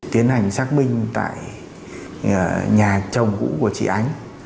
tiến hành xác minh tại nhà chồng cũ của chị ánh